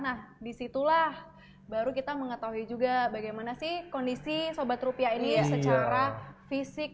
nah disitulah baru kita mengetahui juga bagaimana sih kondisi sobat rupiah ini secara fisik